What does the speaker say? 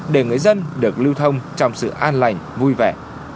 để người dân được lưu thông trong sự an lành vui vẻ